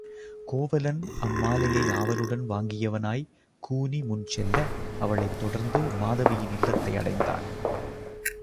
கோவலன் அம்மாலையை ஆவலுடன் வாங்கியவனாய்க் கூனி முன் செல்ல அவளைத் தொடர்ந்து மாதவியின் இல்லத்தை அடைந்தான்.